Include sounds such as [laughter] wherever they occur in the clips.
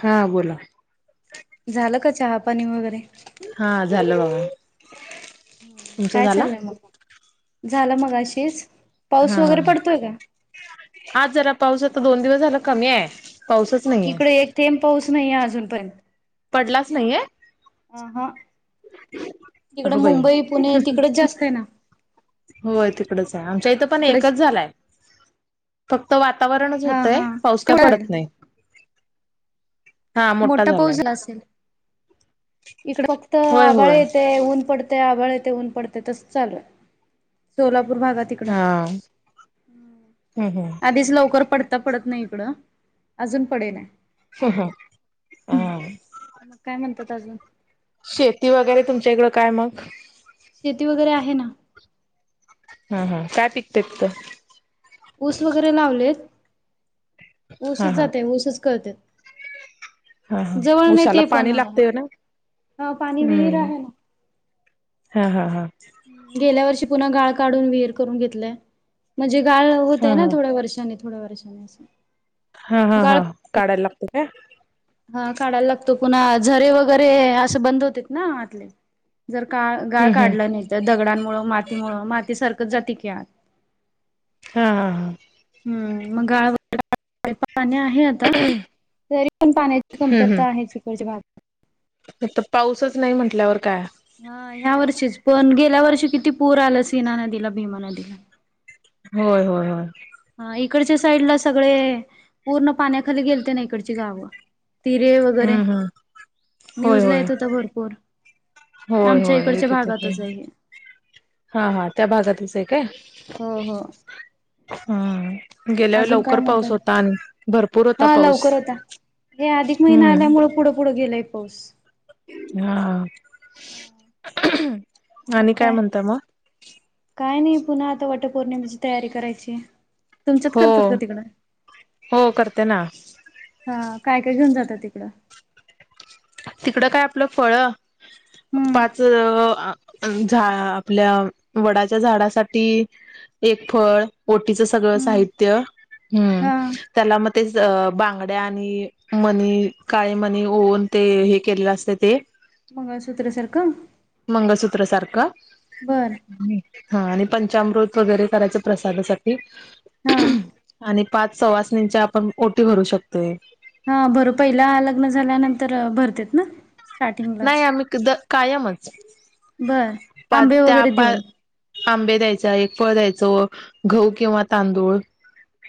हां बोला झालं का चहापाणी वगैरे हां झालं बगा काय चाललंय मग झालं मगाशीच हां ह आज जरा पावस तर दोन दिवस झाला कमी आहे पाऊसच नाहीये इकडे एक थेंब पाऊस नाहीे अजूनपर्यंत पडलाच नाहीये? अ हा तिकडं अगं बाई मुंबई पुणे तिकडेच जास्त आहे ना होय तिकडचं आहे आमच्या इथं पण इकडे एकच झालाय फक्त वातावरणच हा होतंय हा पाऊस काय पडत नाही हा मोठा झालाय. पाऊसला असेल इकडं फक्त होय आभाळ होय येते ऊन पडते ते आभळ येतेे ऊन पडते तस चालूयं सोला भागात हा हम् हम् आधीच लवकर पडत. पडत नाही इकडं अजून पडेल ह हा काय म्हणतात अजून शेती वगैरे तुमच्या इकडं काय मग शेती वगैरे आहे ना हा हा काय पिकते तिथं ऊस वगैरे लावलेत. हा ऊसंच जातं ऊसच करळत हां हां उसाला ते पण पाणी लागतेय ना हा पाणी विहीर हम्म आहे ना हां हां हां गेल्या वर्षी पुन्हा गाळ काढून विहीर करून घेतलाय म्हणजे गाळ होतंय हा ना थोड्या वर्षानी थोड्या वर्षानी असं हां हां ह गाळ काढायला लागत का हा काढायला लागतो पुन्हा झरे वगैरे असं बंद होते ना आतले जर का गाळ हम्म हम्म काढलं नाही तर दगडांमुळेळं मातीमुळ माती सारखंच जाती की आत हा हा हा हम मंगाळडा पाणी आहे आता पोगॉव, तरी पण पाण्याची हम्म कमतरता आहे इकडचे भाग तर पाऊसच नाही म्हटल्यावर काय. हा ह्या वर्षीच पण गेल्या वर्षी किती पूर आला सीना नदीला भीमा नदीला. होय होय होय. हा इकडच्या साईड ला सगळे पूर्ण पाण्याखाली गेलते ना इकडची गावं. तिरे वगैरे हम्म हम्म न्यूज होय ला होय येत होता भरपूर. होय आमच्या होय इकडच्या येत होते ते भागातच आहे. हा हा त्या भागातीलच आहे काय? हम हा. गेल्या वे लवकर पाऊस होता आणि भरपूर होता हा पाऊस. लवकर होता. हे अधिक महिना आल्यामु हम्म पुढं पुढं गेलाय पाऊस. हा आणि काय म्हणता मग? काय नाही पुन्हा आता वटपौर्णिमेची तयारी करायची. तुमच्यात हो करतात का तिकडं. हो करते ना हा काय काय घेऊन जातं तिकडं. तिकडं काय आपलं फळ हम्म. पाच झा आपल्या वडाच्या झाडासाठी एक फळ ओटीच सगळं हम्म साहित्य, हम्म हा त्याला ते बांगड्या आणि मनी काळे मणी ओऊन ते हे केलेलं असते ते. मंगळसूत्र सारखं. का बर हा आणि पंचामृत वगैरे करायचं प्रसादासाठी. हा. आणि पाच सवासींची आपण ओटी भरू शकतोय. हा भर पहिला लग्न झाल्यानंतर भरतेत ना. नाही स्टार्टिंगलाच आम्ही कध कायमच. बर पाच आंबे त्या वगैरे पा देऊन आंबे द्यायचा एक फळ द्यायचा. जो गहू किंवा तांदूळ.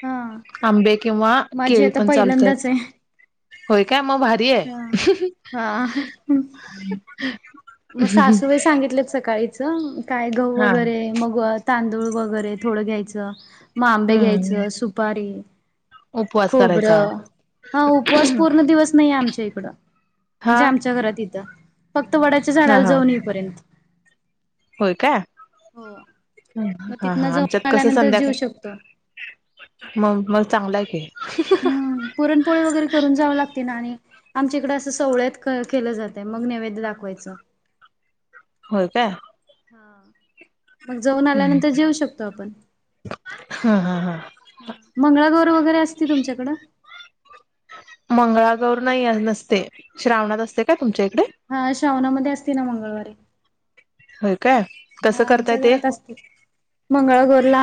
हा आंबे किंवा माझी केळी आता पण चालत आहेत. पहिल्यांदाच आहे हो काय मग भारी आहे. हा हा मग सासूवे सांगितलेत सकाळीच काय घह हा वगैरे मगत तांदूळ वगैरे थोडं घ्यायचं म आंबे हम्म घ्यायचं सुपारी उपवास करायचा खोबरं, हा उपवास पूर्ण दिवस नाहीे आमच्या इकडं- हा म्हणजे आमच्या घरात इथं फक्त वडाच्या हा झाडाला हा जाऊन येईपर्यंत. होय का? हो मग हा तिथनं हा आमच्यात जाऊन कस आल्यानंतर जेऊ संध्याकाळ शकतो मग मग चांगला आहे. हम् पुरणपोळी वगैरे करून जाव लागत. आणि आमच्या इकडे असं सवळत केलं जाते मग नैवेद दाखवायचं. हो का. हा मग जाऊन आल्यानंतर हम्म जेऊ शकतो आपण. हा हा हा मंगळागौर वगैरे असते तुमच्याकडं? मंगळागर नाही नसते श्रावणात असते का तुमच्या इकडे- हा श्रावणामध्ये असतील ना मंगळवारी. हा ह आमच्या घरात असत मंगळगोरला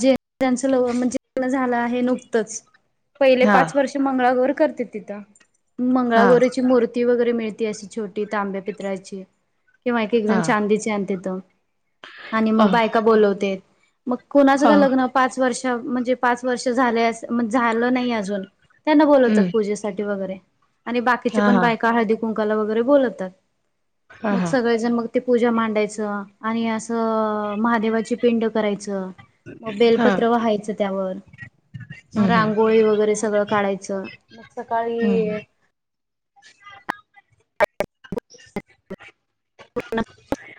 जे- त्यांच लव म्हणजे झालं आहे नुकतंच पहिले हा पाच वर्ष मंगळा तिथ हा मंगळागोरीची मूर्ती मूर्ती वगैरे मिळती अशी छोटी तांब्या पितळेच्यी किंवा एक जण हा चांदीची आणतेथ. आणि मग ह बायका बोोलवते मग कोणाचं हा का लग्न पाच वर्ष म्हण जे पाच वर्ष झाले झालं नाही अजून त्यांना बोलवतात हम्म पूजेसाठीठी वगैरे. आणि बाकीची हा पण हा बायका हळदी कुंकाला वगैरे बोलतात हा मग हा सगळेजण मग ते- पूजा मांडायचं आणि असं महादेवाची पिंड करायचं. मग हा बेलपत्र वहायचं त्यावर. मग हम्म हम्म रांगोळी वगैरे सगळं काढायचं मग सकाळी हम्म आ [inaudible]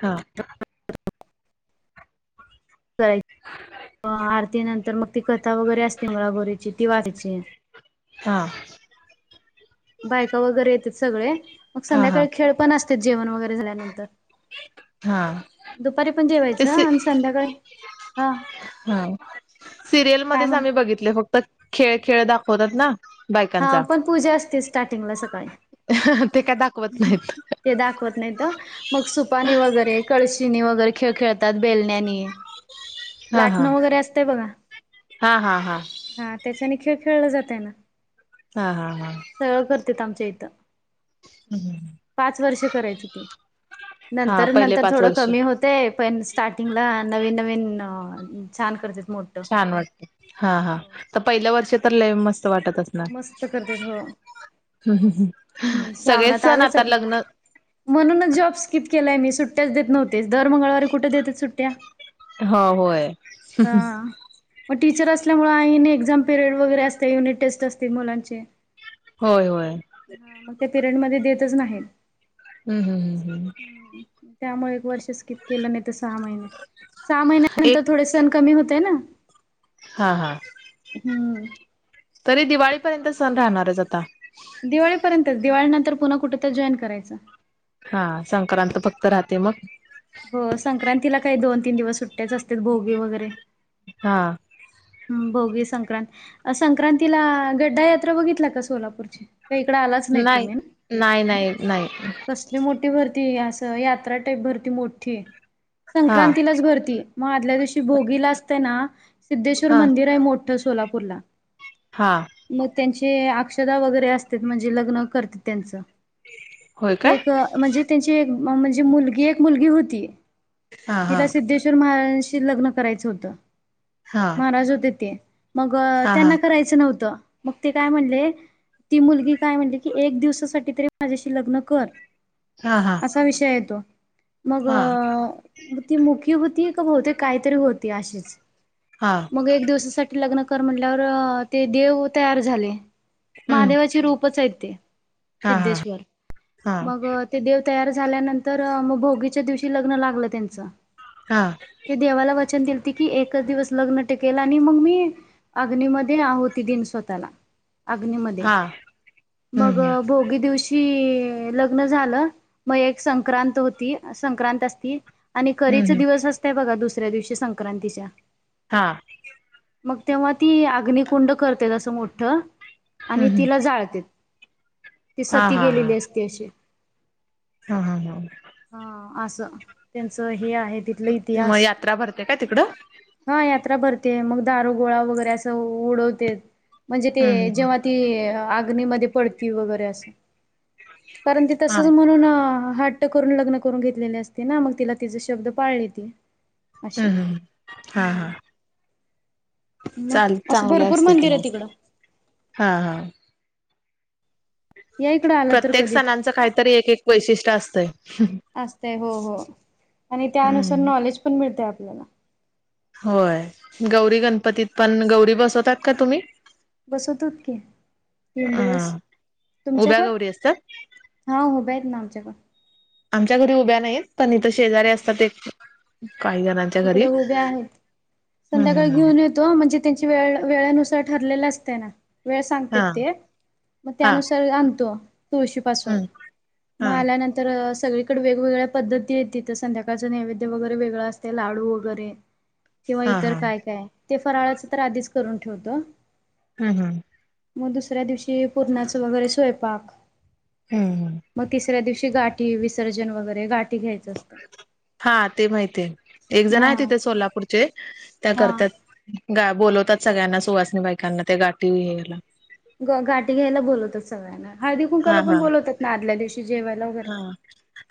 हा कराय आरती नंतर मग ती कथा वगैरे असते मंगळागौरीची ती वाचायची हा बायका वगैरे येतात सगळे मग हा हा संध्याकाळी खेळ पण असते जेवण वगैरे झाल्यानंतर हा दुपारी पण जेवायचं ते आणि संध्याकाळी हा हा काय सिरियलमध्येच म्हण आम्ही बघितले फक्त खेळ खेळ दाखवतात ना हा बायकांचा पण पूजा असते स्टार्टिंगला सकाळी ते काय दाखवत नाहीत ते दाखवत नाहीत मग सुपानी वगैरे क शीनी वगैरे खेळ खेळतात बेलण्याने हा हा लाटणं वगैरे असतय बघा हा हा हा हा त्या ने खेळ खेळला जात आहे ना हा हा हा सगळं [inaudible] पाच वर्ष करायचे ते हा नंतर पहिले नंतर पाच थोडं वर्ष कमी होते पण स्टार्टिंगला नवीन नवीन छान करते छान वाटत हा हा तर पहिल्या वर्ष तरले मस्त वाटत असणार् मस्त ह शावणात आलंच आता म्हणूनच जॉब्स स्किप केलंय मी सुट्ट्याच देत नव्हत तेच दर मंगळवारी कुठे देतात सुट्ट्या हो होय हा मग टीचर असल्यामुळे आ एक्झाम पिरियड वगैरे असते युनिट टेस्ट असते मुलांचे होय होय हा मग त्या पिरियड मध्ये देतच नाही हम्म हम् हम्म हम् त्यामुळे एक वर्षच क केलं नाही तर सहा महिने सहा महिन्यानंतर एक थोडे सण कमी होते ना हा हा हम्म. तरी दिवाळीपर्यंत सण राहणारच आता दिवाळीपर्यंतच दिवाळीनंतर पुन्हा कुठ तर जॉईन करायचं हा संक्रांत फक्त राहते मग हो संक्रांतीला काही दोन तीन दिवस सुट्ट्याच असते भोगी वगैरे हा भोगी संक्रांत संक्रांतीला गड्डा यात्रा बघितला का सोलापूरची इकड आलाच नाही तुम्ही नाही नाही नाही कसली मोठी भर असं यात्रा टाईप भरती मोठी हा संक्रांतीलाच भरती मग आदल्या दिवशी भोगीला असताना सिद्धेश्वर हा मंदिर आहे मोठ सोलापूरला हा त्यांची ज अक्षदा वगैरे असत म्हणजे लग्न करते त्यांचं होय ते काय एक म्हणजे त्यांची एक म्हणजे मुलगी एक मुलगी होती हा हा तिला सिद्धेश्वर महाराजांशी लग्न करायचं होतं हा महाराज होते ते मग हा हा त्यांना करायचं नव्हतं मग ते काय म्हणले ती मुलगी काय म्हटली की एक दिवसासाठी तरी माझ्याशी लग्न कर हा हा असा विषय येतो मग हा ती मुखी होती का बोते काहीतरी होती अशीच हा मग एक दिवसासाठी लग्न कर म्हटल्यावर ते देव तयार झाले हम्म महादेवाची रूपच आहेत ते हा हा सिद्धेश्वर हा मग ते देव तयार झाल्यानंतर मग भोगीच्या दिवशी लग्न लागलं त्यांच हा चन दिल ती की एकच दिवस लग्न टीकेल आणि मग मी अग्नी मध्ये आहोती दीन स्वतःला अग्नीमध्ये हा हम्म मग हम्म भोगी दिवशी लग्न झालं मग एक संक्रांत होती संक्रांत असती आणि हम्म करीचं हम्म दिवस असतय बघा दुसऱ्या दिवशी संक्रांतीच्या हा मग तेव्हा ती अग्निकुंड करते असं मोठं हम्म आणि हम्म तिला जाळते ती हा सती हा हा गेलेली असते अशी हा हा हा असं त्यांचं हे आहे तिथलं मग इतिहास यात्रा भरते का तिकडं हा यात्रा भरते, मग दारू गोळा वगैरे असं उडवतेत. म्हणजे ते हम्म हम्म जेव्हा ती आग्नीमध्ये पडती वगैरे असं कारण ते हा तसच म्हणून अ हट्ट करून लग्न करून घेतलेले असते ना मग तिला तिचे शब्द पाळले ती अशी हम्म हम्मम हा हम्म हा मग चाल अशी चांगल भरपूर असते किं मंदिर आहे मग तिकडं हा हा या इकडं आला तर प्रत्येक कधी सणांचं काहीतरी एक एक वैशिष्ट्य असतंय असते हो हो आणि त्यानुसार हम्म नॉलेज पण मिळतय आपल्याला होय गौरी गणपतीत पण गौरी बसवतात का तुम्ही? बसवतो की तीन अ दिवस उभ्या तुमच्याकड? गौरी असतात हा उभ्या आहेत ना आमच्याकड.... आमच्या घरी उभ्या नाहीत पण इथ शेजारी असतात एक... काही जणांच्या घरी हिकडं उभ्या आहेत हम् संध्याकाळी हम हम घेऊन येतो म्हणजे... त्यांची वेळ वेळानुसार ठरलेल असतयना... वेळ हा सांगत्यात ते मग हा त्यानुसार आणतो..... तुळशी पासून हम् मग हा आल्यानंतर... सगळीकड वेगवेगळ्या पद्धती आहेत, इथं संध्याकाळचं नैवेद्य वगैरे वेगळं असतय लाडू वगैरे... किंवा हा इतर हा काय काय ते फराळाचं तर आधीच करून ठेवतो.... हुं हुं.... मग दुसऱ्या दिवशी पूरणाच वगैरे स्वयंपाक हम् हम् म तिस... तिसऱ्या दिवशी गाठी विसर्जन वगैरे गाठी... घ्यायचं असते हा ते माहितये. एक जण हा आहेत इथं सोलापूरचे त्या हा करत्यात... गा बोलवतात सगळ्यांना सुवासिनी बाईकांना ते गाठी हे घ्यायला... ग गाठी घ्यायला बोलवत्यात सगळ्यांना.. हळदी हा कुंकवाला पण हा बोलवतात ना? आदल्या दिवशी जेवायला वगैरे.. हा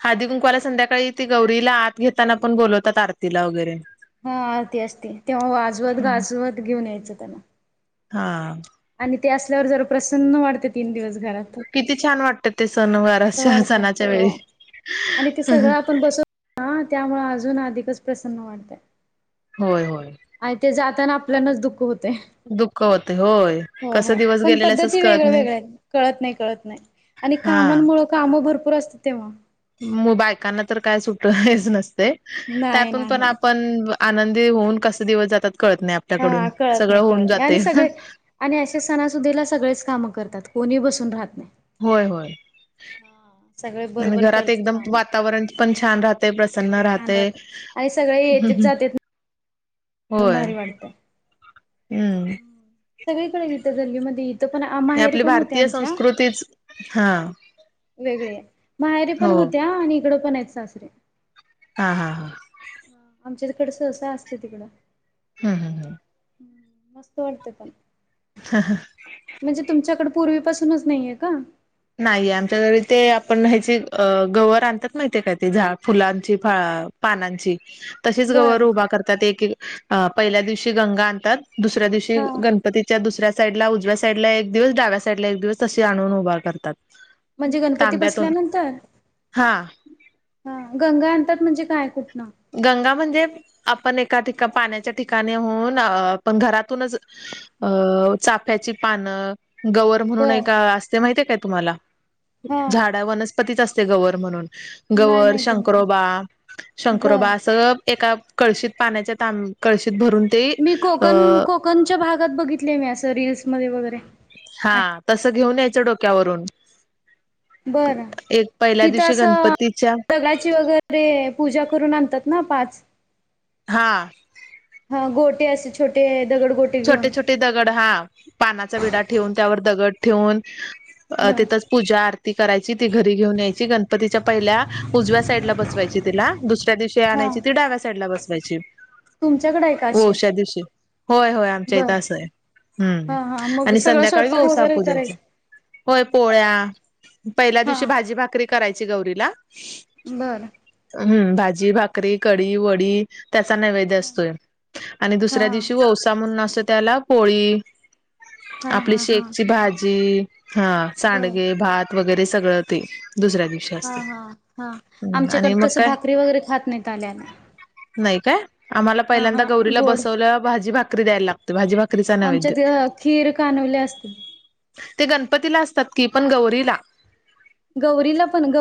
हळदी कुंकवाला संध्याकाळी ती गौरीला आत घेताना पण बोलवतात, आरतीला वगैरे... हा तेअसती तेव्हा वाजवत गाजवत घेऊन यायचं त्यांना... हा... आणि ते असल्यावर जरा प्रसन्न वाटतय तीन दिवस... घरात किती छान वाटत ते सणवार मस्त वाटतय सणाच्या वेळी.... हो. आणि ते सगळं आपण बसवलं ना त्यामुळ अजून अधिकच प्रसन्न वाढतय.... होय होय.... आणि ते जाताना आपल्यानाच दुःख होतय... दुःख होतय..... हो हो पण पद्धती कळत वेगळ नाही वेगळ्याआहेत कळत नाही, कळत नाही..... आणि हा कामांनमुळं काम भरपूर असत्यात तेव्हा... मग बायकांना तर काय सुट हेच नसतंय नाही त्यातून पण नाही आपण.... आनंदी होऊन कस दिवस जातात... कळत नाही हा आपल्याकडून कळत सगळं नाही, होऊन कळत नाही जाते आणि सगळे आणि अशे सणासुदीला सगळेच कामं करतात.... कोणी बसून राहात नाही... होय होय हा सगळे आणि बरोबर घरात करतात एकदम कामं. वातावरण पण छान राहत... ते प्रसन्न छान राहते.. आणि सगळे येतेत जातेत अजून होय भारी वाढते... हम्म ह सगळीकडे तथ झाली मध्ये.... तर पण हे माहेरीे आपली पण होत्या भारतीय आमच्या.. संस्कृतीच हा वेगळे माहेरीे पण हो होत्या आणि इकड पण आहेत सासरे... हा हा हा... ह आमच्या तिकडे सहसा असते तिकडं.. हम् हम हम... मस्त वाटते पण म्हणजे तुमच्याकड... पूर्वीपासूनच नाहीये का... नाही आमच्या घरी ते आपण ह्याची गवर आणतात माहितीे काय ते झा फुलांची फळ... पानांची तसेच बर गवर उभा करतात एक पहिल्या दिवशी गंगा आणतात.. दुसऱ्या दिवशी हा. गणपतीच्या दुसऱ्या... साईड ला उजव्या साईड ला एक दिवस डाव्या साईड ला एक दिवस तशी आणून उभा करत... म्हणजे गणपती बसल्यानंतर हा हा... गंगा आणतात म्हणजे काय कुठ? गंगा म्हणजे आप... पण एका ठिका पाण्याच्या ठिकाणी होऊन आपण घरातूनच अ चाफ्याची..... पानं गवर म्हणून बर एक असते माहिती आहे काय तुम्हाला हा झाडा वनस्पतीच असते गवर म्हणून नाही गवर माहिती मला शंकरोबा बर शंकरोबा अस एका कळशीत पाण्याच्या तांब कळशी मी कोकण कोकणच्या भागात बघितले मी असं रीलसमध्येध्ये वगैरे अस घेऊन यायचं डोक्यावरून बरं एक पहिल्या तिथं दिवशी असं गणपतीच्या जगाची वगैरे पूजा करून आणतात ना पाच हा हा गोटे असे छोटे दगड गोटे छोटे घेऊन छोटे दगड हा पानाचा विडा ठेवून त्यावर दगड ठेवून अ बर तिथंच पूजा आरती करायची घरी घेऊन या गणपती पहि उजव्या साईड ला बसवायची तिला दुसऱ्या दिवशी हा आणायची साईडला ब तुमच्याकडे आहे का अशी होश्या दिवशी य आमच्या बर इथं असं आहेम् हा हा मग आणि सगळं संध्याकाळी स्वयंपाक व्यवसा वगैरे पूजाच करायचं होय पोळ्या पहिल्या दिवशी हा भाजी भाकरी करायची गौरीला बरं हम्म भाजी भाकरी कडीी वडी त्याचा नैवेद्य असतोय आणि हा दुसऱ्या दिवशी ओसा म्हणून असतो त्याला पोळी हा आपली हा हा शेकची भाजी हा बर सांडगे भात वगैरे सगळं ते दुसऱ्या दिवशी हा असते हा हा हम्म आणि आमच्याकडे मग तस काय भाकरी वगैरे खात नाहीत आल्याल्या नाही काय आम्हाला पहिल्यांदा गौरीला बसवल्या भाजी भाकरी द्यायला लागते भाजी भाकरी आमच्यात खीर कानवले असतील ते गणपतीला असतात की पण गौरीला गौरीला पण गौ